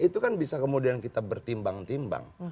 itu kan bisa kemudian kita bertimbang timbang